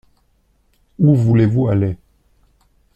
Où voulez-vous aller ?